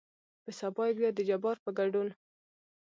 په سبا يې بيا دجبار په ګدون